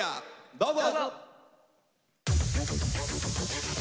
どうぞ。